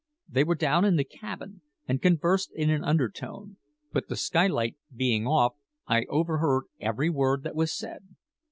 They were down in the cabin, and conversed in an undertone; but the skylight being off; I overhead every word that was said.